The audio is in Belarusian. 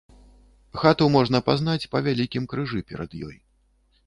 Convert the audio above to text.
Хату можна пазнаць па вялікім крыжы перад ёй.